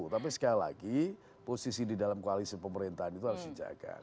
tapi sekali lagi posisi di dalam koalisi pemerintahan itu harus dijaga